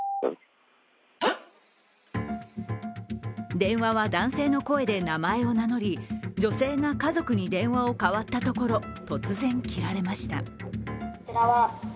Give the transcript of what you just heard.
電話は男性の声で名前を名乗り、女性が家族に電話をかわったところ突然切られました。